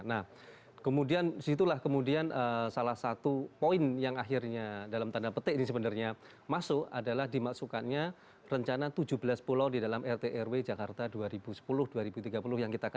nah kemudian disitulah kemudian salah satu poin yang akhirnya dalam tanda petik ini sebenarnya masuk adalah dimasukkannya rencana tujuh belas pulau di dalam rt rw jakarta dua ribu sepuluh dua ribu tiga puluh yang kita katakan